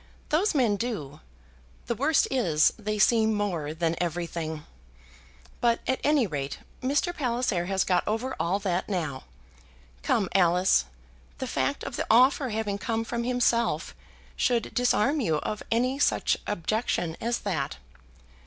"Those men do. The worst is, they see more than everything. But, at any rate, Mr. Palliser has got over all that now. Come, Alice; the fact of the offer having come from himself should disarm you of any such objection as that.